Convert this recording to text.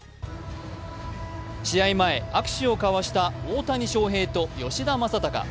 試合前、握手を交わした大谷翔平と吉田正尚。